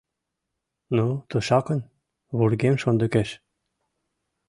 — Ну, тушакын... вургем шондыкеш.